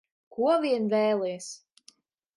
Ko vien vēlies.